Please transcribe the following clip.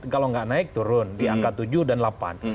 kalau nggak naik turun di angka tujuh dan delapan